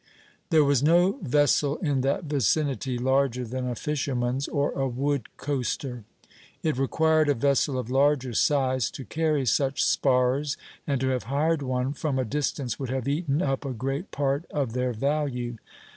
There was no vessel in that vicinity larger than a fisherman's, or a wood coaster. It required a vessel of larger size to carry such spars, and to have hired one from a distance would have eaten up a great part of their value.